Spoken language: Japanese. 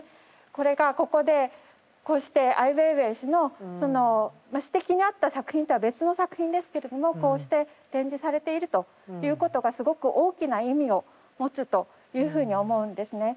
これがここでこうしてアイウェイウェイ氏のその指摘にあった作品とは別の作品ですけれどもこうして展示されているということがすごく大きな意味を持つというふうに思うんですね。